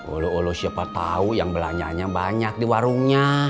ulu ulu siapa tau yang belanjanya banyak di warungnya